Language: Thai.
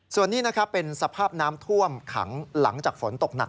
ส่วนนี้นะครับเป็นสภาพน้ำท่วมขังหลังจากฝนตกหนัก